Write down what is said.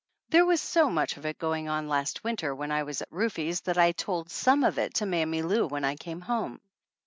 There was so much of it going on last winter when I was at Rufe's that I told some of it to Mammy Lou when I came home.